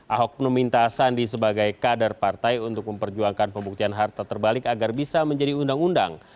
ahok meminta sandi sebagai kader partai untuk memperjuangkan pembuktian harta terbalik agar bisa menjadi undang undang